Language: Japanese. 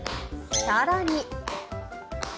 更に。